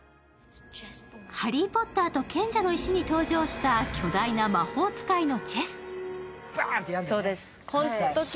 「ハリー・ポッターと賢者の石」に登場した巨大な魔法使いのチェス。